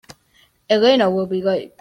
Elena will be late.